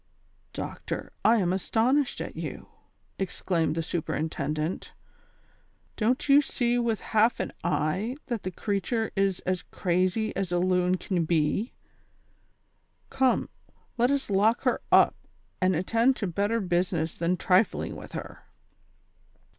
" Doctor, I am astonished at you," exclaimed the super intendent ; "don't you see with half an eye that the creature is as crazy as a loon can be ; come, let us lock her up, and attend to better business than trifling with her."